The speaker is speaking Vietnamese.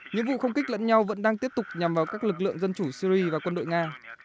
những vụ không kích lẫn nhau vẫn đang tiếp tục nhằm vào các lực lượng dân chủ syri và quân đội nga